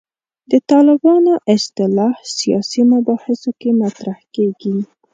د طالبانو اصطلاح سیاسي مباحثو کې مطرح کېږي.